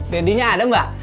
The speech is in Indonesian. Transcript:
dendinya ada mbak